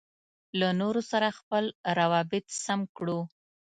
له نورو سره خپل روابط سم کړو.